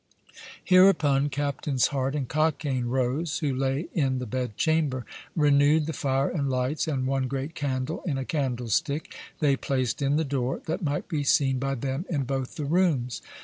Hereupon Captains Hart and Cockaine rose, who lay in the bed chamber, renewed the fire and lights, and one great candle, in a candlestick, they placed in the door, that might be seen by them in both the rooms.